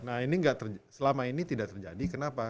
nah ini gak terjadi selama ini tidak terjadi kenapa